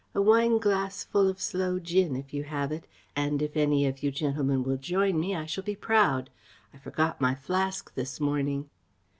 A wineglassful of sloe gin, if you have it, and if any of you gentlemen will join me, I shall be proud. I forgot my flask this morning."